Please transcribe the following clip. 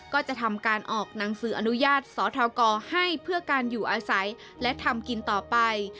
ก็จะทำการออกหนังสืออนุญาตสอทกให้เพื่อการอยู่อาศัยและทำกินต่อไป